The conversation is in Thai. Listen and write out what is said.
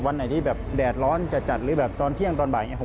วันไหนที่แบบแดดร้อนจะจัดหรือแบบตอนเที่ยงตอนบ่ายอย่างนี้